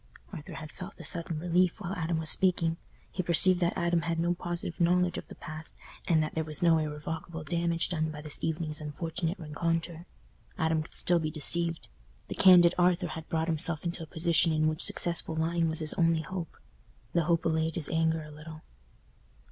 Arthur had felt a sudden relief while Adam was speaking; he perceived that Adam had no positive knowledge of the past, and that there was no irrevocable damage done by this evening's unfortunate rencontre. Adam could still be deceived. The candid Arthur had brought himself into a position in which successful lying was his only hope. The hope allayed his anger a little.